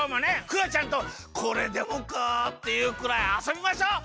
クヨちゃんとこれでもかっていうくらいあそびましょう！